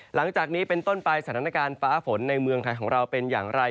หลังจากนี้เป็นต้นไปสถานการณ์ฟ้าฝนในเมืองไทยของเราเป็นอย่างไร